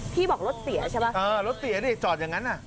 พี่บอกรถเสียใช่ป่ะเออรถเสียดิจอดอย่างนั้นอ่ะ